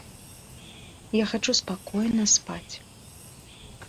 Я хачу спакойна спаць.